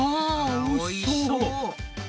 おいしそう！